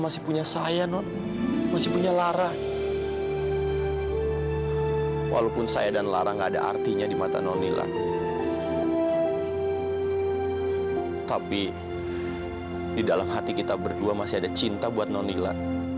sampai jumpa di video selanjutnya